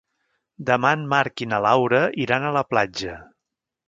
Demà en Marc i na Laura iran a la platja.